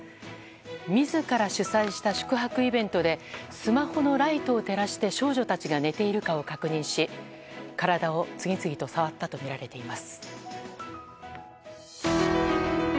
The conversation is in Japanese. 自ら主催した宿泊イベントでスマホのライトを照らして少女たちが寝ているかを確認し体を次々と触ったとみられています。